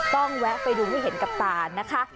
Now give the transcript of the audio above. แวะไปดูให้เห็นกับตานะคะ